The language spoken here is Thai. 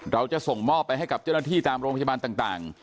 เราจะส่งมอบไปให้กับเจ้าหน้าที่ตามโรงพยาบาลต่าง